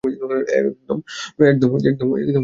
একদম গরম গরম।